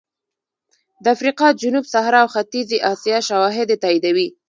د افریقا جنوب صحرا او ختیځې اسیا شواهد یې تاییدوي